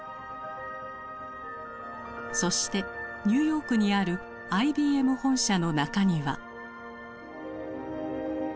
そしてニューヨークにあるＩＢＭ本社の中庭。